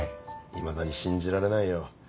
いまだに信じられないよ。